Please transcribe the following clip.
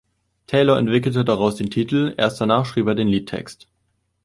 Taylor entwickelte daraus den Titel, erst danach schrieb er den Liedtext.